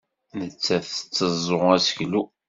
Nettat tetteẓẓu aseklu.